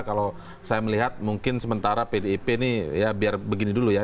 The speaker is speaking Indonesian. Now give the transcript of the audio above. kalau saya melihat mungkin sementara pdip ini ya biar begini dulu ya